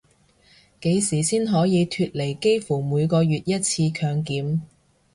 幾時先可以脫離幾乎每個月一次強檢